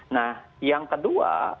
nah yang kedua